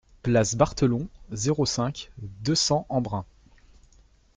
Place Barthelon, zéro cinq, deux cents Embrun